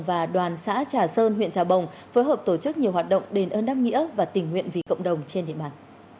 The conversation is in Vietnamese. và đoàn xã trà sơn huyện trà bồng phối hợp tổ chức nhiều hoạt động đền ơn đáp nghĩa và tình nguyện vì cộng đồng trên địa bàn